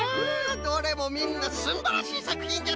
どれもみんなすんばらしいさくひんじゃった。